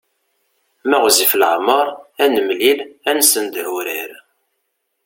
Ma ɣezzif leɛmeṛ ad nemlil ad nessendeh urar.